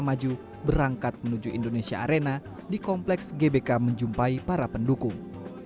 maju berangkat menuju indonesia arena di kompleks gbk menjumpai para pendukung